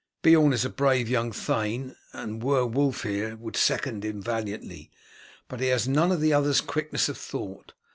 Beorn is a brave young thane, and were Wulf here would second him valiantly, but he has none of the other's quickness of thought.